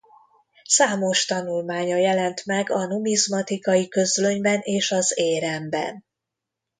Számos tanulmánya jelent meg a Numizmatikai Közlönyben és az Éremben.